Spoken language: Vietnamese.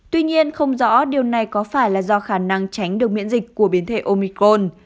tuy nhiên không rõ điều này có phải là do khả năng tránh được miễn dịch của biến thể omicol